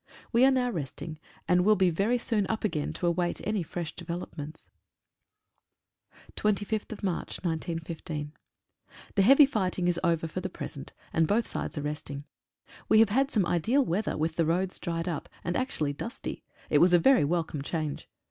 We are now resting, and will be very soon up again to await any fresh develop ments. 51 AFTER THE BATTLE. 25/3/15. HE heavy fighting is over for the present, and both sides are resting. We have had some ideal wea ther, with the roads dried up, and actually dusty. It was a very welcome change.